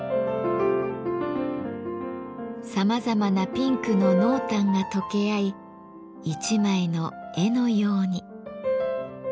さまざまなピンクの濃淡が溶け合い一枚の絵のように。